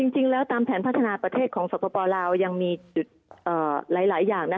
จริงแล้วตามแผนพัฒนาประเทศของสปลาวยังมีจุดหลายอย่าง